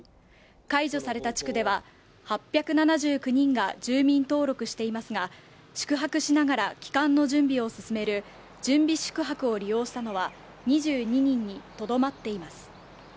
解除された地区では８７９人が住民登録していますが、宿泊しながら帰還の準備を進める準備宿泊を利用したのは２２人にとどまっています。